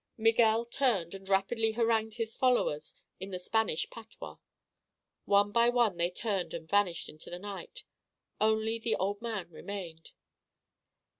Miguel turned and rapidly harangued his followers in the Spanish patois. One by one they turned and vanished into the night. Only the old man remained.